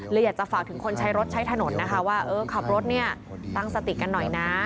อยากจะฝากถึงคนใช้รถใช้ถนนนะคะว่าเออขับรถเนี่ยตั้งสติกันหน่อยนะ